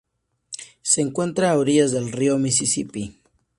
Se encuentra a orillas del río Misisipi.